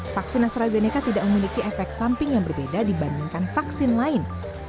vaksin astrazeneca tidak memiliki efek samping yang berbeda dibandingkan vaksin lain